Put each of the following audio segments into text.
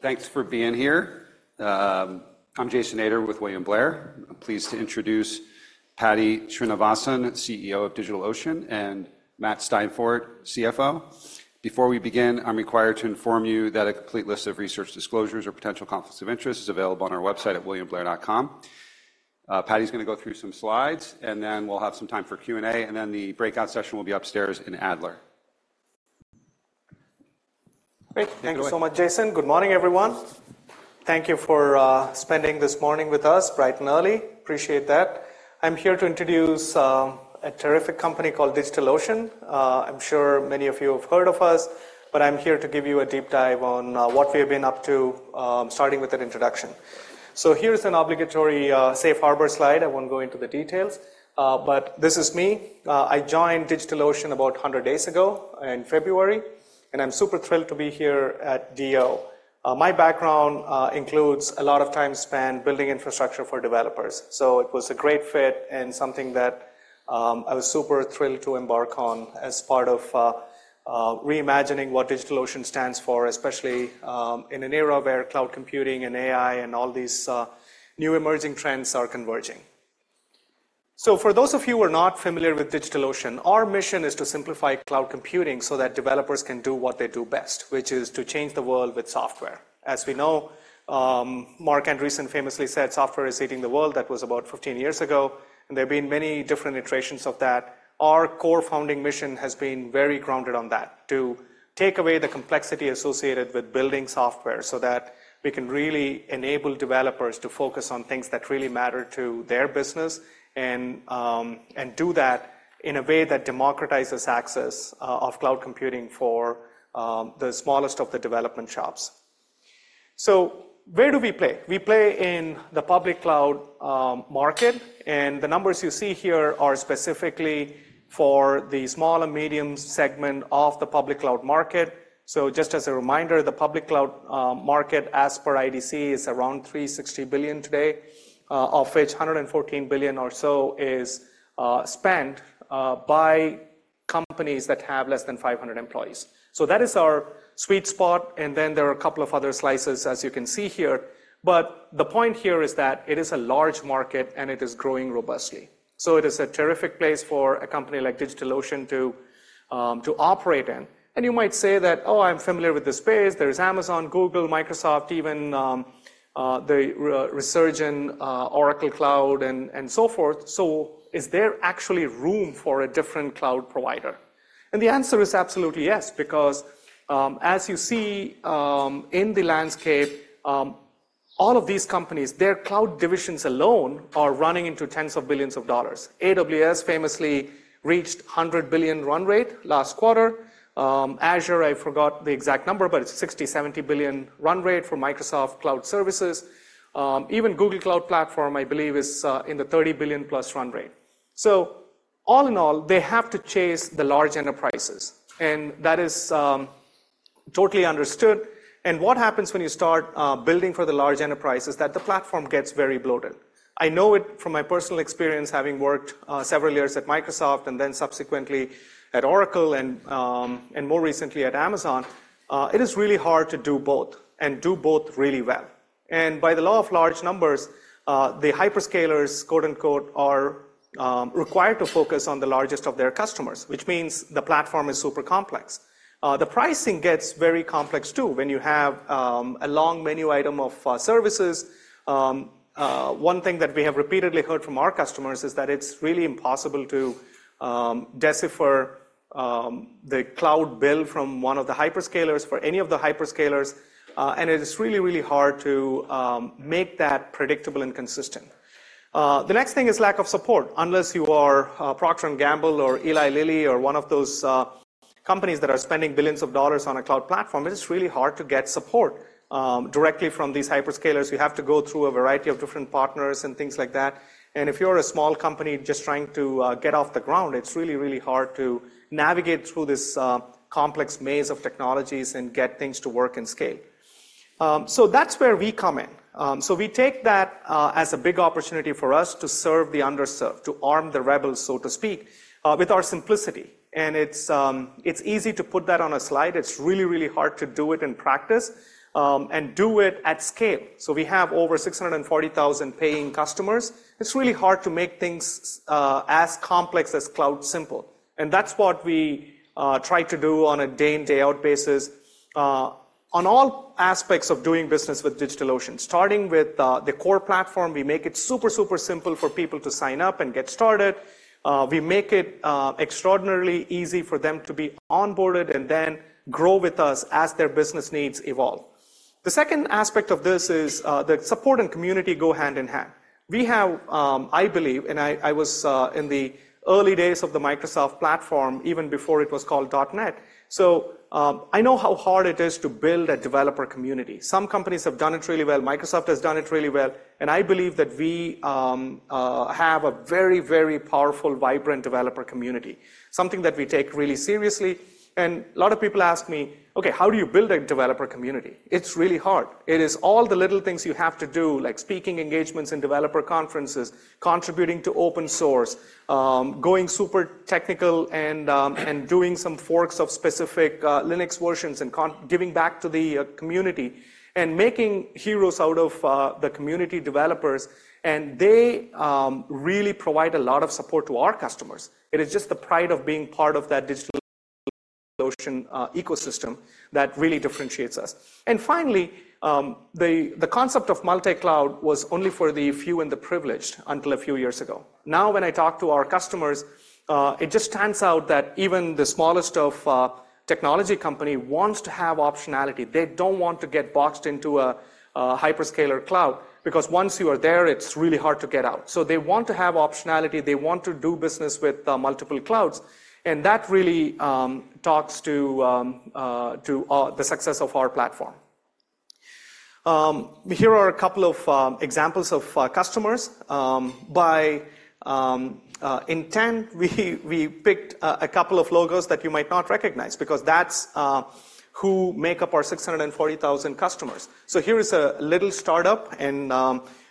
Thanks for being here. I'm Jason Ader with William Blair. I'm pleased to introduce Paddy Srinivasan, CEO of DigitalOcean, and Matt Steinfort, CFO. Before we begin, I'm required to inform you that a complete list of research disclosures or potential conflicts of interest is available on our website at williamblair.com. Paddy's gonna go through some slides, and then we'll have some time for Q&A, and then the breakout session will be upstairs in Ader. Great. Thank you so much, Jason. Good morning, everyone. Thank you for spending this morning with us bright and early. Appreciate that. I'm here to introduce a terrific company called DigitalOcean. I'm sure many of you have heard of us, but I'm here to give you a deep dive on what we have been up to, starting with an introduction. Here is an obligatory safe harbor slide. I won't go into the details, but this is me. I joined DigitalOcean about 100 days ago in February, and I'm super thrilled to be here at DO. My background includes a lot of time spent building infrastructure for developers. It was a great fit and something that, I was super thrilled to embark on as part of, reimagining what DigitalOcean stands for, especially, in an era where cloud computing and AI and all these, new emerging trends are converging. For those of you who are not familiar with DigitalOcean, our mission is to simplify cloud computing so that developers can do what they do best, which is to change the world with software. As we know, Marc Andreessen famously said, "Software is eating the world." That was about 15 years ago, and there have been many different iterations of that. Our core founding mission has been very grounded on that, to take away the complexity associated with building software so that we can really enable developers to focus on things that really matter to their business. Do that in a way that democratizes access of cloud computing for the smallest of the development shops. Where do we play? We play in the public cloud market, and the numbers you see here are specifically for the small and medium segment of the public cloud market. Just as a reminder, the public cloud market, as per IDC, is around $360 billion today, of which $114 billion or so is spent by companies that have less than 500 employees. That is our sweet spot, and then there are a couple of other slices, as you can see here. The point here is that it is a large market, and it is growing robustly. It is a terrific place for a company like DigitalOcean to operate in. You might say that, "Oh, I'm familiar with this space. There is Amazon, Google, Microsoft, even, the resurgent Oracle Cloud and so forth, so is there actually room for a different cloud provider?" The answer is absolutely yes, because, as you see, in the landscape, all of these companies, their cloud divisions alone are running into tens of billions of dollars. AWS famously reached $100 billion run rate last quarter. Azure, I forgot the exact number, but it's $60 billion-$70 billion run rate for Microsoft Cloud Services. Even Google Cloud Platform, I believe, is in the $30 billion+ run rate. All in all, they have to chase the large enterprises, and that is totally understood. What happens when you start building for the large enterprises, that the platform gets very bloated. I know it from my personal experience, having worked several years at Microsoft and then subsequently at Oracle and more recently at Amazon. It is really hard to do both and do both really well. By the law of large numbers, the hyperscalers, quote-unquote, are required to focus on the largest of their customers, which means the platform is super complex. The pricing gets very complex too, when you have a long menu item of services. One thing that we have repeatedly heard from our customers is that it's really impossible to decipher the cloud bill from one of the hyperscalers, for any of the hyperscalers, and it is really, really hard to make that predictable and consistent. The next thing is lack of support. Unless you are Procter & Gamble or Eli Lilly or one of those companies that are spending billions of dollars on a cloud platform, it is really hard to get support directly from these hyperscalers. You have to go through a variety of different partners and things like that, and if you're a small company just trying to get off the ground, it's really, really hard to navigate through this complex maze of technologies and get things to work and scale. That's where we come in. We take that as a big opportunity for us to serve the underserved, to arm the rebels, so to speak, with our simplicity, and it's easy to put that on a slide. It's really, really hard to do it in practice, and do it at scale. We have over 640,000 paying customers. It's really hard to make things as complex as cloud simple, and that's what we try to do on a day-in, day-out basis, on all aspects of doing business with DigitalOcean. Starting with the core platform, we make it super, super simple for people to sign up and get started. We make it extraordinarily easy for them to be onboarded and then grow with us as their business needs evolve. The second aspect of this is, that support and community go hand in hand. We have, I believe, and I was, in the early days of the Microsoft platform, even before it was called .NET, so, I know how hard it is to build a developer community. Some companies have done it really well. Microsoft has done it really well, and I believe that we have a very, very powerful, vibrant developer community, something that we take really seriously. A lot of people ask me, "Okay, how do you build a developer community?" It's really hard. It is all the little things you have to do, like speaking engagements in developer conferences, contributing to open source, going super technical and doing some forks of specific, Linux versions, and conference. Giving back to the community and making heroes out of the community developers, and they really provide a lot of support to our customers. It is just the pride of being part of that DigitalOcean ecosystem that really differentiates us. Finally, the concept of multi-cloud was only for the few and the privileged until a few years ago. Now, when I talk to our customers, it just turns out that even the smallest of technology company wants to have optionality. They don't want to get boxed into a hyperscaler cloud, because once you are there, it's really hard to get out. They want to have optionality, they want to do business with multiple clouds, and that really talks to the success of our platform. Here are a couple of examples of customers. By intent, we picked a couple of logos that you might not recognize because that's who make up our 640,000 customers. Here is a little startup, and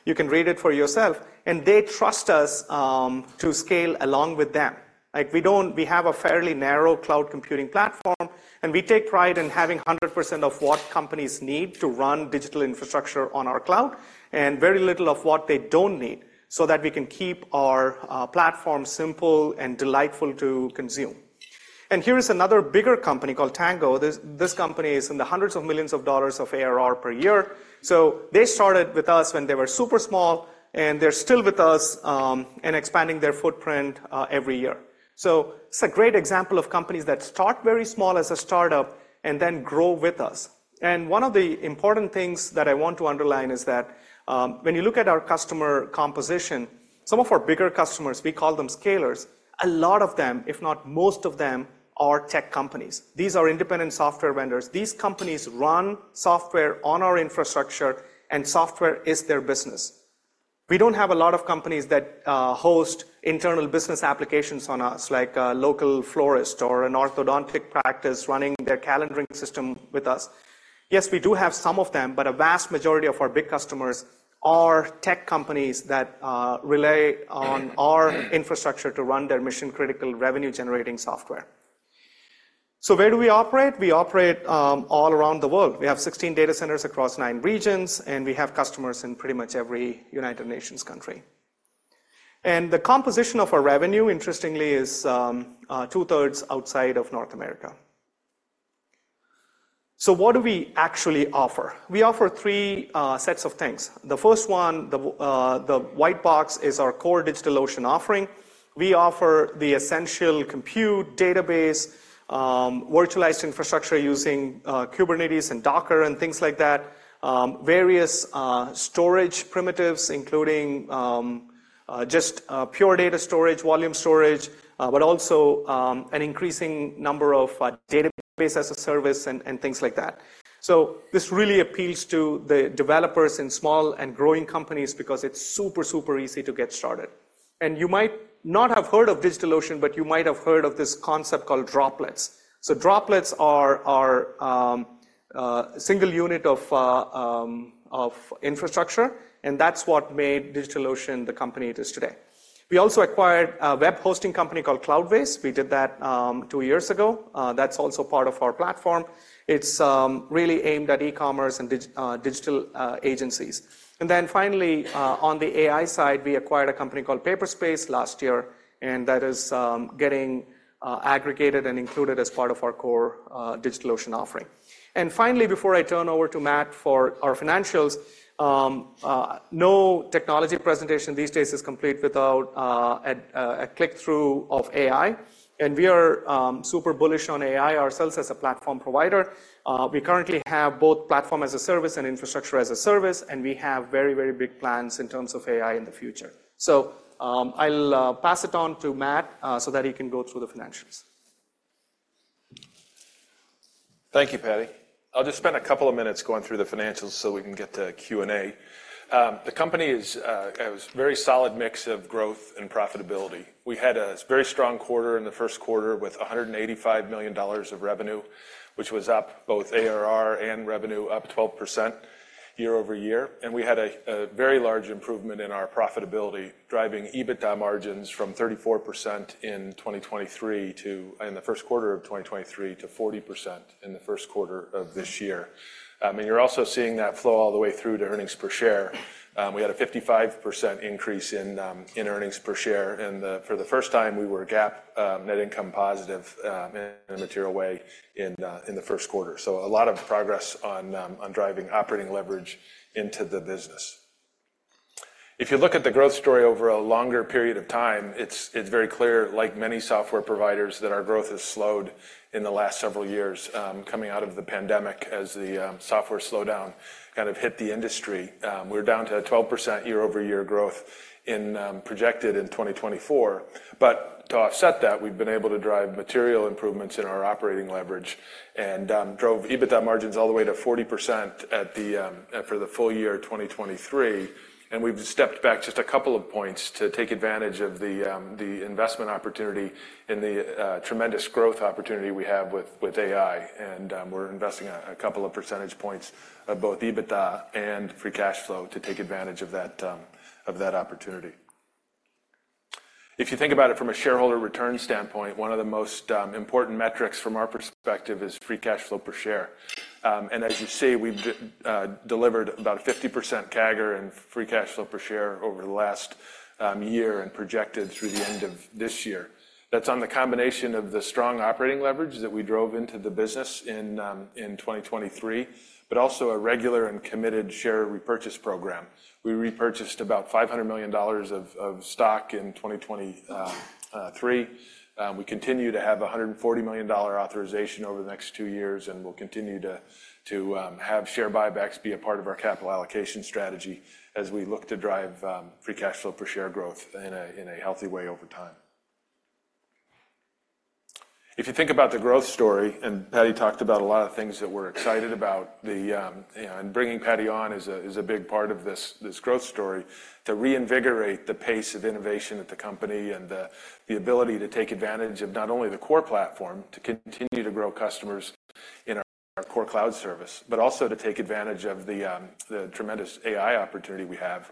you can read it for yourself, and they trust us to scale along with them. Like, we don't we have a fairly narrow cloud computing platform, and we take pride in having 100% of what companies need to run digital infrastructure on our cloud, and very little of what they don't need, so that we can keep our platform simple and delightful to consume. Here is another bigger company called Tango. This company is in the hundreds of millions of dollars of ARR per year. They started with us when they were super small, and they're still with us, and expanding their footprint every year. It's a great example of companies that start very small as a startup and then grow with us. One of the important things that I want to underline is that, when you look at our customer composition, some of our bigger customers, we call them scalers, a lot of them, if not most of them, are tech companies. These are independent software vendors. These companies run software on our infrastructure, and software is their business. We don't have a lot of companies that host internal business applications on us, like a local florist or an orthodontic practice running their calendaring system with us. Yes, we do have some of them, but a vast majority of our big customers are tech companies that rely on our infrastructure to run their mission-critical, revenue-generating software. Where do we operate? We operate all around the world. We have 16 data centers across nine regions, and we have customers in pretty much every United Nations country. The composition of our revenue, interestingly, is 2/3 outside of North America. What do we actually offer? We offer three sets of things. The first one, the white box, is our core DigitalOcean offering. We offer the essential compute database, virtualized infrastructure using Kubernetes and Docker and things like that, various storage primitives, including just pure data storage, volume storage, but also an increasing number of database as a service and things like that. This really appeals to the developers in small and growing companies because it's super, super easy to get started. You might not have heard of DigitalOcean, but you might have heard of this concept called Droplets. Droplets are our single unit of infrastructure, and that's what made DigitalOcean the company it is today. We also acquired a web hosting company called Cloudways. We did that two years ago. That's also part of our platform. It's really aimed at e-commerce and digital agencies. Then finally, on the AI side, we acquired a company called Paperspace last year, and that is getting aggregated and included as part of our core DigitalOcean offering. Finally, before I turn over to Matt for our financials, no technology presentation these days is complete without a click-through of AI, and we are super bullish on AI ourselves as a platform provider. We currently have both platform as a service and infrastructure as a service, and we have very, very big plans in terms of AI in the future. I'll pass it on to Matt, so that he can go through the financials. Thank you, Paddy. I'll just spend a couple of minutes going through the financials so we can get to Q&A. The company is a very solid mix of growth and profitability. We had a very strong quarter in the first quarter with $185 million of revenue, which was up both ARR and revenue, up 12% year-over-year. We had a very large improvement in our profitability, driving EBITDA margins from 34% in 2023, in the first quarter of 2023, to 40% in the first quarter of this year. You're also seeing that flow all the way through to earnings per share. We had a 55% increase in earnings per share, and for the first time, we were GAAP net income positive in a material way in the first quarter. A lot of progress on driving operating leverage into the business. If you look at the growth story over a longer period of time, it's very clear, like many software providers, that our growth has slowed in the last several years, coming out of the pandemic as the software slowdown kind of hit the industry. We're down to a 12% year-over-year growth projected in 2024. To offset that, we've been able to drive material improvements in our operating leverage and drove EBITDA margins all the way to 40% for the full year 2023. We've stepped back just a couple of points to take advantage of the investment opportunity and the tremendous growth opportunity we have with AI. We're investing a couple of percentage points of both EBITDA and free cash flow to take advantage of that opportunity. If you think about it from a shareholder return standpoint, one of the most important metrics from our perspective is free cash flow per share. As you see, we've delivered about a 50% CAGR in free cash flow per share over the last year and projected through the end of this year. That's on the combination of the strong operating leverage that we drove into the business in 2023, but also a regular and committed share repurchase program. We repurchased about $500 million of stock in 2023. We continue to have a $140 million authorization over the next two years, and we'll continue to have share buybacks be a part of our capital allocation strategy as we look to drive free cash flow per share growth in a healthy way over time. If you think about the growth story, and Paddy talked about a lot of things that we're excited about, bringing Paddy on is a big part of this growth story. To reinvigorate the pace of innovation at the company and the ability to take advantage of not only the core platform to continue to grow customers in our core cloud service, but also to take advantage of the tremendous AI opportunity we have.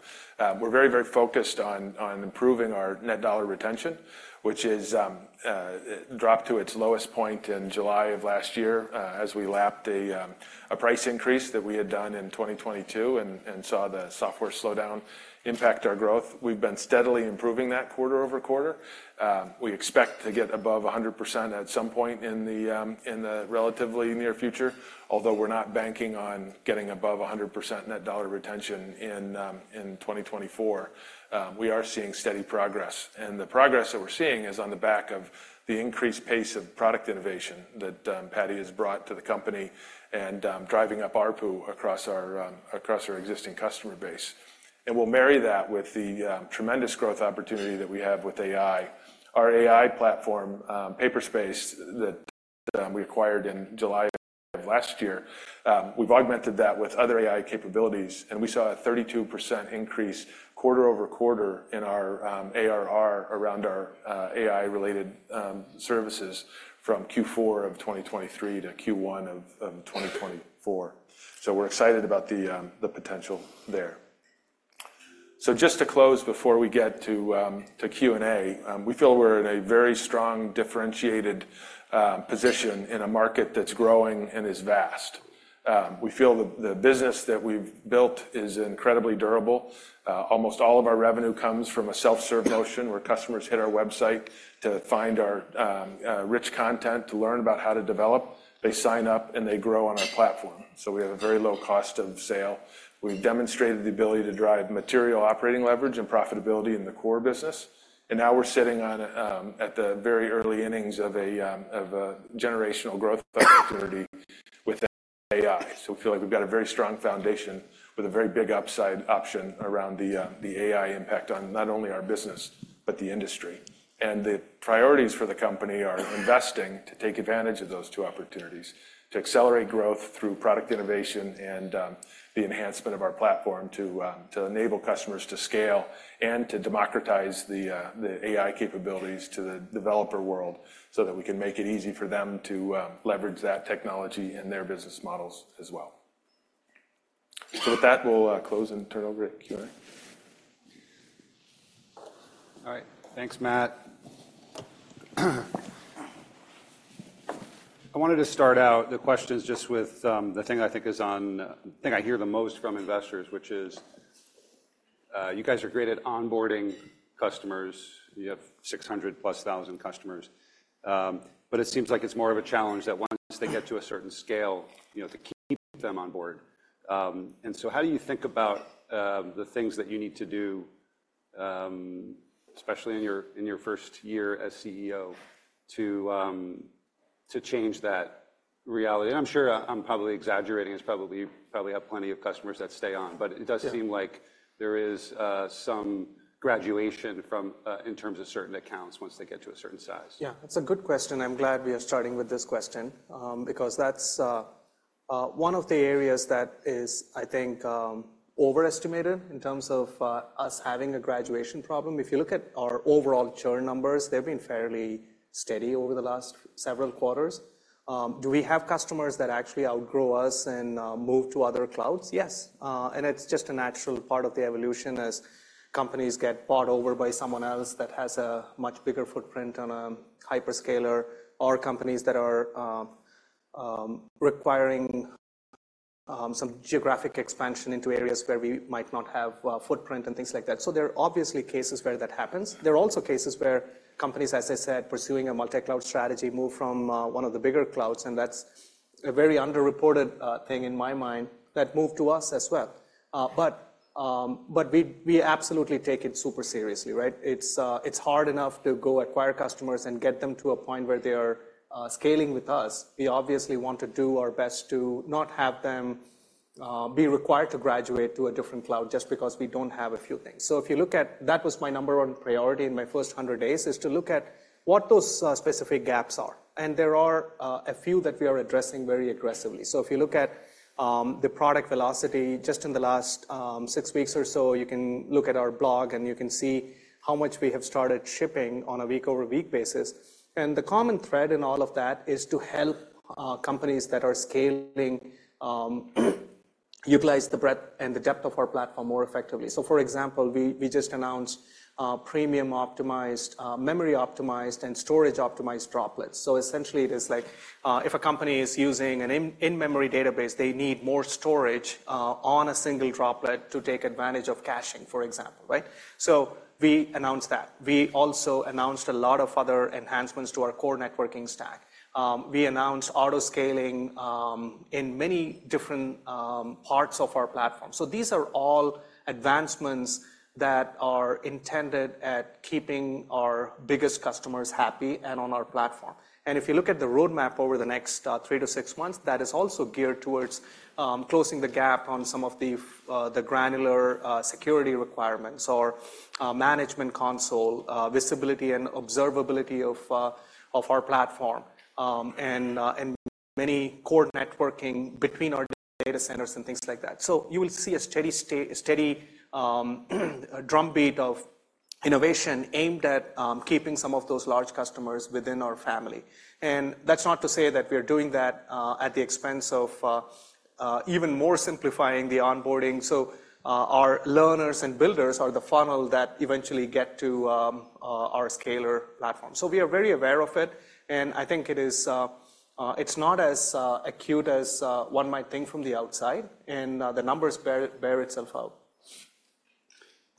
We're very focused on improving our net dollar retention, which dropped to its lowest point in July of last year, as we lapped a price increase that we had done in 2022 and saw the software slowdown impact our growth. We've been steadily improving that quarter-over-quarter. We expect to get above 100% at some point in the relatively near future, although we're not banking on getting above 100% net dollar retention in 2024. We are seeing steady progress, and the progress that we're seeing is on the back of the increased pace of product innovation that Paddy has brought to the company and driving up ARPU across our existing customer base. We'll marry that with the tremendous growth opportunity that we have with AI. Our AI platform, Paperspace, that we acquired in July of last year. We've augmented that with other AI capabilities, and we saw a 32% increase quarter-over-quarter in our ARR around our AI-related services from Q4 of 2023 to Q1 of 2024. We're excited about the potential there. Just to close before we get to Q&A, we feel we're in a very strong, differentiated position in a market that's growing and is vast. We feel the business that we've built is incredibly durable. Almost all of our revenue comes from a self-serve notion, where customers hit our website to find our rich content, to learn about how to develop. They sign up, and they grow on our platform. We have a very low cost of sale. We've demonstrated the ability to drive material operating leverage and profitability in the core business, and now we're sitting at the very early innings of a generational growth opportunity with AI. We feel like we've got a very strong foundation with a very big upside option around the AI impact on not only our business, but the industry. The priorities for the company are investing to take advantage of those two opportunities, to accelerate growth through product innovation and the enhancement of our platform to to enable customers to scale and to democratize the AI capabilities to the developer world so that we can make it easy for them to leverage that technology in their business models as well. With that, we'll close and turn it over to Q&A. All right. Thanks, Matt. I wanted to start out the questions just with the thing I think is on. The thing I hear the most from investors, which is: you guys are great at onboarding customers. You have 600+ thousand customers. It seems like it's more of a challenge that once they get to a certain scale, you know, to keep them on board. How do you think about the things that you need to do, especially in your first year as CEO, to to change that reality? I'm probably exaggerating. It's probably, you probably have plenty of customers that stay on, but- Yeah. It does seem like there is some graduation from, in terms of certain accounts once they get to a certain size? Yeah, that's a good question. I'm glad we are starting with this question, because that's, one of the areas that is overestimated in terms of, us having a graduation problem. If you look at our overall churn numbers, they've been fairly steady over the last several quarters. Do we have customers that actually outgrow us and, move to other clouds? Yes, and it's just a natural part of the evolution as companies get bought over by someone else that has a much bigger footprint on a hyperscaler, or companies that are, requiring, some geographic expansion into areas where we might not have a footprint and things like that. There are obviously cases where that happens. There are also cases where companies, as I said, pursuing a multi-cloud strategy, move from one of the bigger clouds, and that's a very underreported thing in my mind, that move to us as well. We absolutely take it super seriously, right? It's hard enough to go acquire customers and get them to a point where they are scaling with us. We obviously want to do our best to not have them be required to graduate to a different cloud just because we don't have a few things. If you look at that was my number one priority in my first 100 days, is to look at what those specific gaps are. There are a few that we are addressing very aggressively. If you look at the product velocity just in the last six weeks or so, you can look at our blog, and you can see how much we have started shipping on a week-over-week basis. The common thread in all of that is to help companies that are scaling, utilize the breadth and the depth of our platform more effectively. For example, we just announced, Premium Optimized, Memory-Optimized, and Storage-Optimized Droplets. Essentially, it is like, if a company is using an in-memory database, they need more storage, on a single Droplet to take advantage of caching, for example, right? We announced that. We also announced a lot of other enhancements to our core networking stack. We announced auto-scaling, in many different, parts of our platform. These are all advancements that are intended at keeping our biggest customers happy and on our platform. If you look at the roadmap over the next 3 months-6 months, that is also geared towards closing the gap on some of the granular security requirements or management console visibility and observability of our platform. Many core networking between our data centers and things like that. You will see a steady drumbeat of innovation aimed at keeping some of those large customers within our family. That's not to say that we are doing that at the expense of even more simplifying the onboarding. Our learners and builders are the funnel that eventually get to our scaler platform. We are very aware of it, and I think it is. It's not as acute as one might think from the outside, and the numbers bear itself out.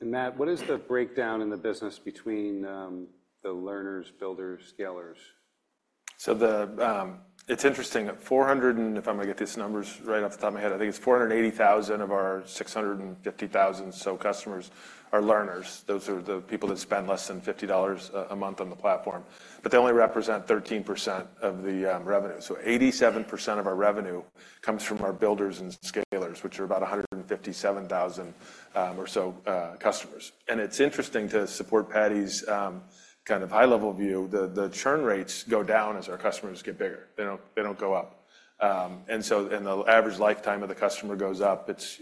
Matt, what is the breakdown in the business between the learners, builders, scalers? It's interesting that 480,000 of our 650,000 customers are learners. Those are the people that spend less than $50 a month on the platform, but they only represent 13% of the revenue. 87% of our revenue comes from our builders and scalers, which are about 157,000 or so customers. It's interesting to support Paddy's kind of high-level view. The churn rates go down as our customers get bigger. They don't go up. The average lifetime of the customer goes up. It's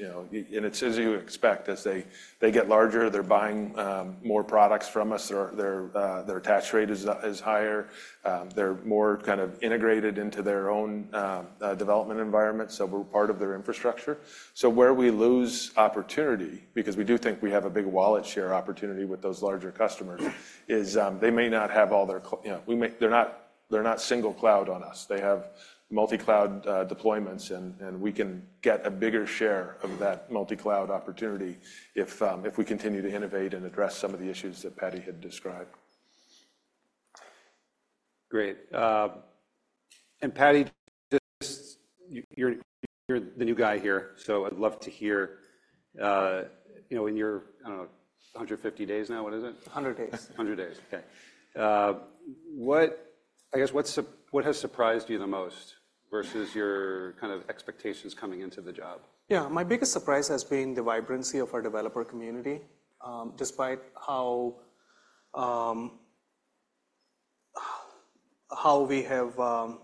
as you expect, as they get larger, they're buying more products from us, their attach rate is higher. They're more kind of integrated into their own development environment, so we're part of their infrastructure. Where we lose opportunity, because we do think we have a big wallet share opportunity with those larger customers, is, they may not have all their cloud. We may, they're not single cloud on us. They have multi-cloud deployments, and we can get a bigger share of that multi-cloud opportunity if we continue to innovate and address some of the issues that Paddy had described. Great. Paddy, just, you're the new guy here, so I'd love to hear, in your, I don't know, 150 days now, what is it? Hundred days. 100 days, okay. What has surprised you the most versus your kind of expectations coming into the job? Yeah, my biggest surprise has been the vibrancy of our developer community, despite how we have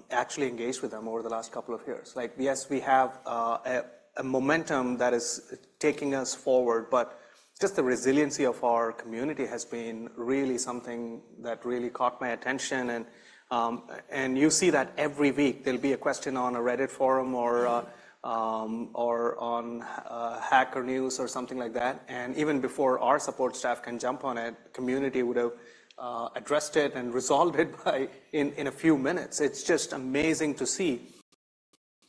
actually engaged with them over the last couple of years. Like, yes, we have a momentum that is taking us forward, but just the resiliency of our community has been really something that really caught my attention, and you see that every week. There'll be a question on a Reddit forum or on Hacker News or something like that, and even before our support staff can jump on it, community would have addressed it and resolved it in a few minutes. It's just amazing to see,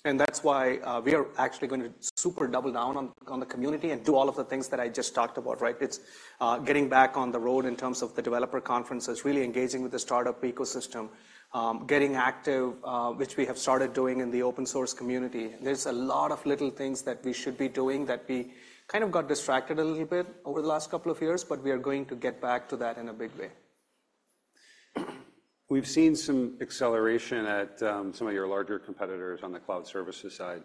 and that's why we are actually going to super double down on the community and do all of the things that I just talked about, right? It's getting back on the road in terms of the developer conferences, really engaging with the startup ecosystem, getting active, which we have started doing in the open source community. There's a lot of little things that we should be doing that we kind of got distracted a little bit over the last couple of years, but we are going to get back to that in a big way. We've seen some acceleration at some of your larger competitors on the cloud services side.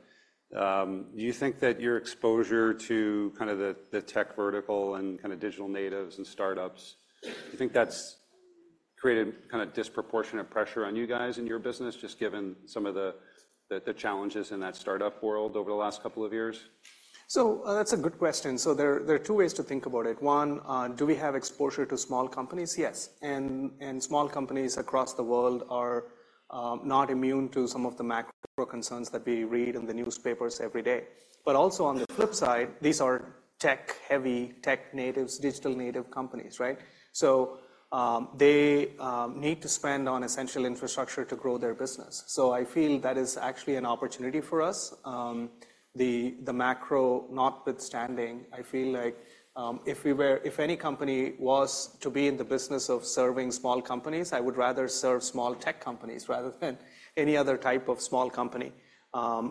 Do you think that your exposure to kind of the tech vertical and kind of digital natives and startups, do you think that's created kind of disproportionate pressure on you guys in your business, just given some of the challenges in that startup world over the last couple of years? That's a good question. There are two ways to think about it. One, do we have exposure to small companies? Yes, and small companies across the world are not immune to some of the macro concerns that we read in the newspapers every day. Also on the flip side, these are tech-heavy, tech natives, digital native companies, right? They need to spend on essential infrastructure to grow their business. I feel that is actually an opportunity for us. The macro notwithstanding, I feel like if any company was to be in the business of serving small companies, I would rather serve small tech companies rather than any other type of small company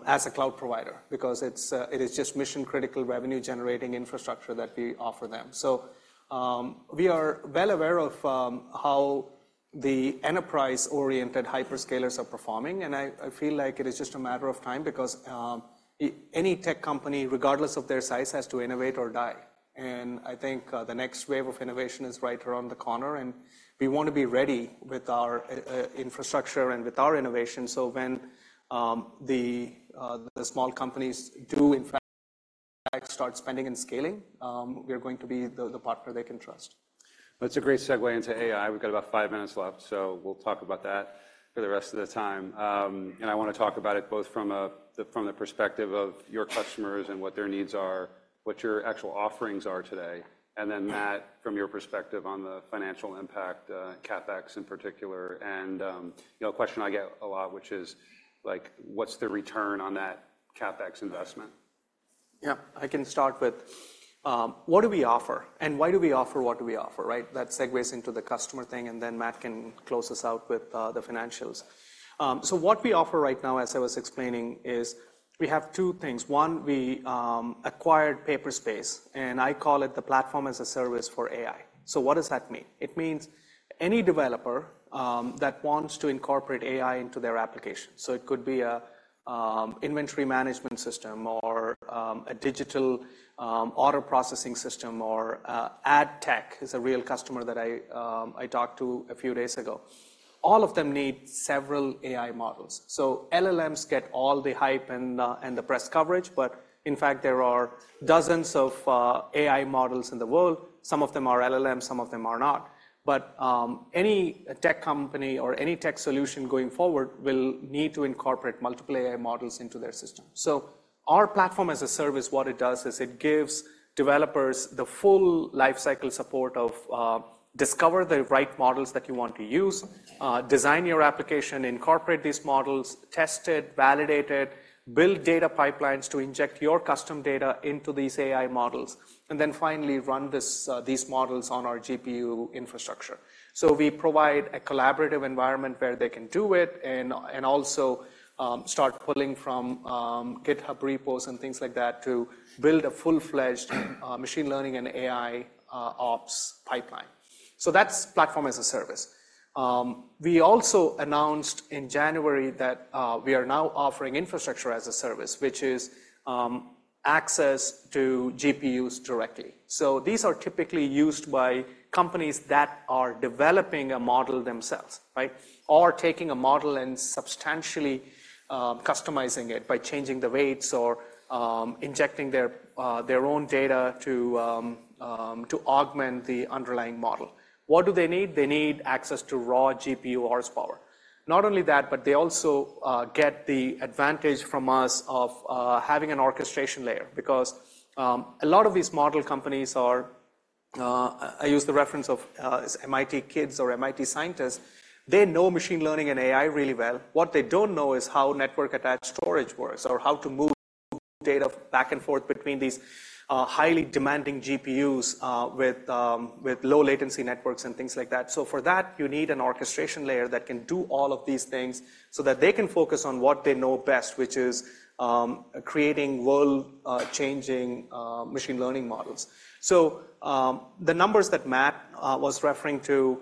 as a cloud provider, because it is just mission-critical, revenue-generating infrastructure that we offer them. We are well aware of how the enterprise-oriented hyperscalers are performing, and I feel like it is just a matter of time because any tech company, regardless of their size, has to innovate or die. I think the next wave of innovation is right around the corner, and we want to be ready with our infrastructure and with our innovation, so when the small companies do in fact start spending and scaling, we are going to be the partner they can trust. That's a great segue into AI. We've got about five minutes left, so we'll talk about that for the rest of the time. I wanna talk about it both from the perspective of your customers and what their needs are, what your actual offerings are today, and then Matt, from your perspective on the financial impact, CapEx in particular. A question I get a lot, which is, like, what's the return on that CapEx investment? Yeah, I can start with, what do we offer, and why do we offer what do we offer, right? That segues into the customer thing, and then Matt can close us out with, the financials. What we offer right now, as I was explaining, is we have two things. One, we acquired Paperspace, and I call it the Platform as a Service for AI. What does that mean? It means any developer that wants to incorporate AI into their application, so it could be a inventory management system or a digital order processing system, or AdTech is a real customer that I talked to a few days ago. All of them need several AI models. LLMs get all the hype and the press coverage, but in fact, there are dozens of AI models in the world. Some of them are LLM, some of them are not. Any tech company or any tech solution going forward will need to incorporate multiple AI models into their system. Our platform as a service, what it does is it gives developers the full lifecycle support of discover the right models that you want to use, design your application, incorporate these models, test it, validate it, build data pipelines to inject your custom data into these AI models, and then finally run these models on our GPU infrastructure. We provide a collaborative environment where they can do it and also start pulling from GitHub repos and things like that to build a full-fledged machine learning and AIOps pipeline. That's Platform as a Service. We also announced in January that we are now offering Infrastructure as a Service, which is access to GPUs directly. These are typically used by companies that are developing a model themselves, right? Or taking a model and substantially customizing it by changing the weights or injecting their own data to augment the underlying model. What do they need? They need access to raw GPU horsepower. Not only that, but they also get the advantage from us of having an orchestration layer because a lot of these model companies are. I use the reference of MIT kids or MIT scientists. They know machine learning and AI really well. What they don't know is how network-attached storage works, or how to move data back and forth between these highly demanding GPUs with low latency networks and things like that. For that, you need an orchestration layer that can do all of these things so that they can focus on what they know best, which is creating world-changing machine learning models. The numbers that Matt was referring to,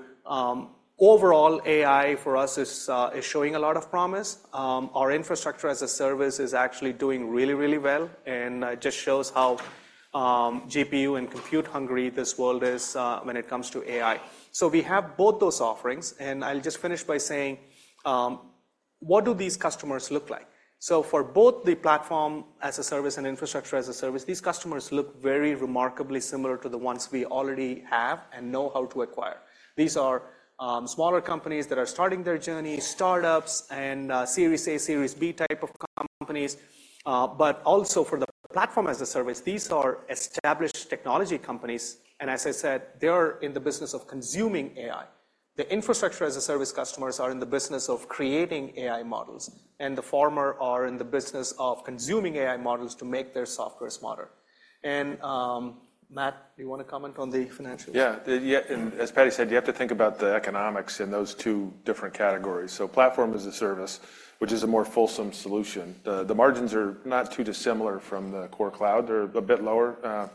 overall AI for us, is showing a lot of promise. Our Infrastructure as a Service is actually doing really, really well, and just shows how GPU and compute-hungry this world is when it comes to AI. We have both those offerings, and I'll just finish by saying, what do these customers look like? For both the Platform as a Service and Infrastructure as a Service, these customers look very remarkably similar to the ones we already have and know how to acquire. These are smaller companies that are starting their journey, startups and Series A, Series B type of companies. Also for the Platform as a Service, these are established technology companies, and as I said, they are in the business of consuming AI. The Infrastructure as a Service customers are in the business of creating AI models, and the former are in the business of consuming AI models to make their software smarter. Matt, you wanna comment on the financials? As Paddy said, you have to think about the economics in those two different categories. Platform as a Service, which is a more fulsome solution, the margins are not too dissimilar from the core cloud. They're a bit lower,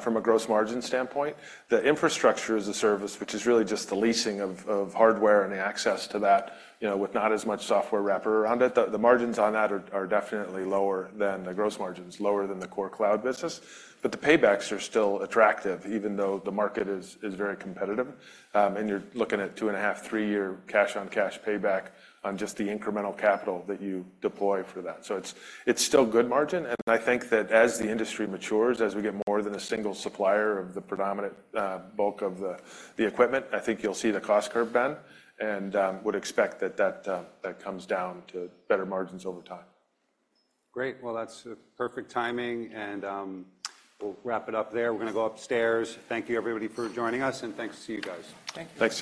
from a gross margin standpoint. The Infrastructure as a Service, which is really just the leasing of hardware and the access to that, with not as much software wrapper around it, the margins on that are definitely lower than the gross margins, lower than the core cloud business. The paybacks are still attractive, even though the market is very competitive. You're looking at 2.5-3-year cash-on-cash payback on just the incremental capital that you deploy for that. It's still good margin, and I think that as the industry matures, as we get more than a single supplier of the predominant bulk of the equipment, I think you'll see the cost curve bend, and would expect that that comes down to better margins over time. Great! Well, that's perfect timing, and we'll wrap it up there. We're gonna go upstairs. Thank you, everybody, for joining us, and thanks to you guys. Thank you. Thanks.